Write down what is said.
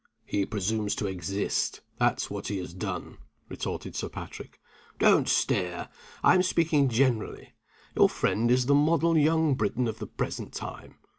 "He presumes to exist that's what he has done," retorted Sir Patrick. "Don't stare! I am speaking generally. Your friend is the model young Briton of the present time.